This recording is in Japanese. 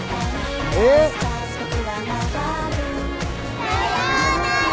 ええ？さようなら。